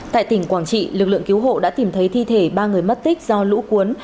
tại tỉnh quảng trị lực lượng cứu hộ đã tìm thấy thi thể ba người mất tích do lũ cuốn